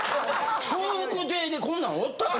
笑福亭でこんなんおったっけ？